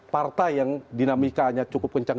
partai yang dinamikanya cukup kencang